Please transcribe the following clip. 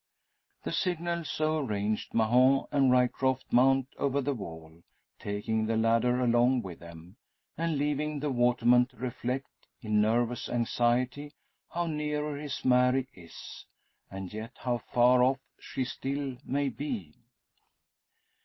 The signal so arranged, Mahon and Ryecroft mount over the wall, taking the ladder along with them, and leaving the waterman to reflect, in nervous anxiety, how near his Mary is, and yet how far off she still may be!